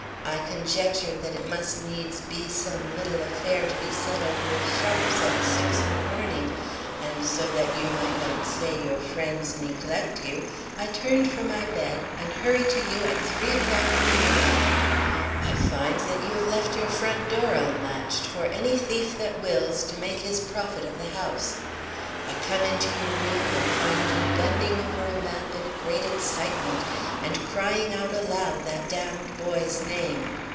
I conjectured that it must needs be some little affair to be settled with sharps at six in the morning; and so that you might not say your friends neglect you, I turn from my bed, and hurry to you at three o'clock of the morning. I find that you have left your front door unlatched for any thief that wills to make his profit of the house. I come into your room and find you bending over a map in a great excitement and crying out aloud that damned boy's name.